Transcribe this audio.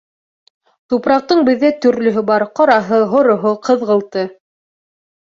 Тупраҡтың беҙҙә төрлөһө бар: ҡараһы, һороһо, ҡыҙғылты.